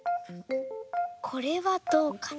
これはどうかな？